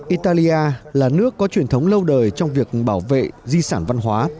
italia là nước có truyền thống lâu đời trong việc bảo vệ di sản văn hóa